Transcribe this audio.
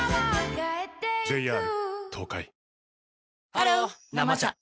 ハロー「生茶」